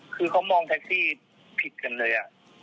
คือเขามองแท็กซี่ผิดกันเลย